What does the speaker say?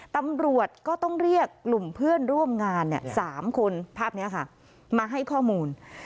ตำรวจก็ต้องเรียกกลุ่มเพื่อนร่วมงาน๓คนภาพนี้ค่ะมาให้ข้อมูล